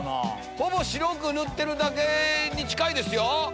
ほぼ白く塗ってるだけに近いですよ。